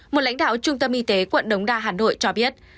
một lãnh đạo trung tâm y tế quận đống đa hà nội cho biết